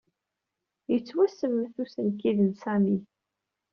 Yettwasemmet usenkid n Sami.